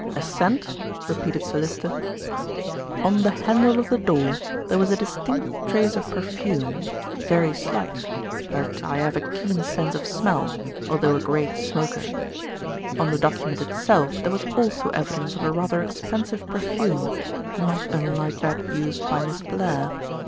"A scent?" repeated Sir Lyster. "On the handle of the door there was a distinct trace of perfume, very slight, but I have a keen sense of smell, although a great smoker. On the document itself there was also evidence of a rather expensive perfume, not unlike that used by Miss Blair.